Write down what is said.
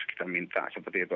kita minta seperti itu